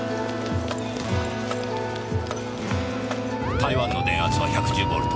台湾の電圧は１１０ボルト。